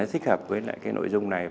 để nó thích hợp với lại cái nội dung này